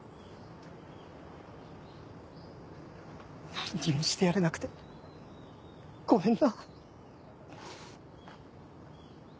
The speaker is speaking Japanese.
何にもしてやれなくてごめんな。